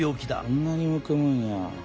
こんなにむくむんや。